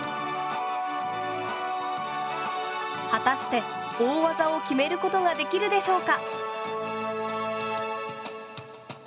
果たして大技を決めることができるでしょうか？